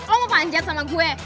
lo mau panjat sama gue